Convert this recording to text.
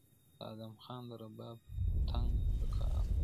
د ادم خان د رباب ټنګ پکار و